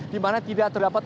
di mana tidak terdapat